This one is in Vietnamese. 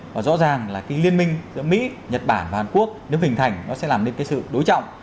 và rõ ràng là cái liên minh giữa mỹ nhật bản và hàn quốc nếu hình thành nó sẽ làm nên cái sự đối trọng